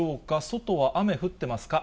外は雨、降ってますか？